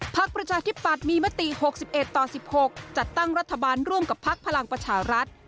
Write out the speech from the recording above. ภักดิ์ประชาธิบัตรมีมติ๖๑ต่อ๑๖จัดตั้งรัฐบาลร่วมกับภักดิ์ภักดิ์ภลังประชารัฐ